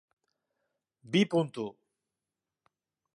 Bi puntu